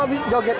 iya disini joget